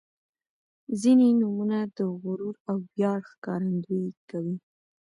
• ځینې نومونه د غرور او ویاړ ښکارندويي کوي.